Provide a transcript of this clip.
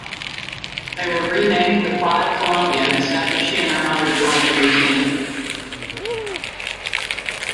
They were renamed the "Five Columbians" after she and her mother joined the routine.